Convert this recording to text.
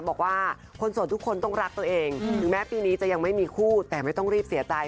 บอกว่าคนโสดทุกคนต้องรักตัวเองถึงแม้ปีนี้จะยังไม่มีคู่แต่ไม่ต้องรีบเสียใจ